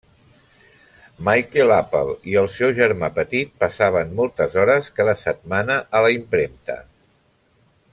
Michael Apple i el seu germà petit passaven moltes hores cada setmana a la impremta.